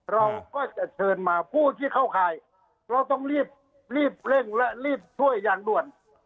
เราก็จะเชิญมาผู้ที่เข้าข่ายเราต้องรีบรีบเร่งและรีบช่วยอย่างด่วน